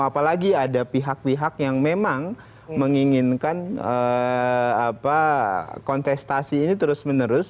apalagi ada pihak pihak yang memang menginginkan kontestasi ini terus menerus